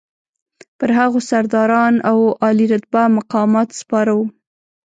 پر هغو سرداران او عالي رتبه مقامات سپاره وو.